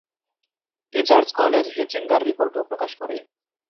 Teachers college Hechinger রিপোর্টও প্রকাশ করে।